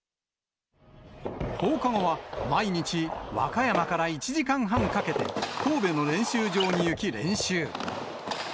放課後は毎日、和歌山から１時間半かけて、神戸の練習場に行き、練習。